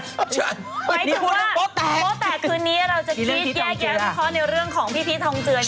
ที่โป้แตก